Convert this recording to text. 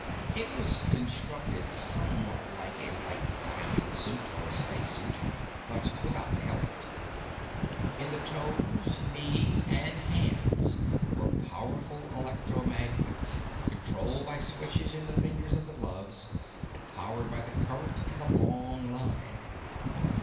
It was constructed somewhat like a light diving suit or a spacesuit, but without the helmet. In the toes, knees, and hands, were powerful electromagnets controlled by switches in the fingers of the gloves and powered by the current in the long line.